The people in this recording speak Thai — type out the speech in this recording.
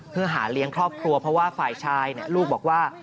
เพื่อหาเลี้ยงครอบครัวเพราะว่าฝ่ายชายลูกบอกว่า